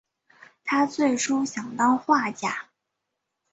他最初想当画家。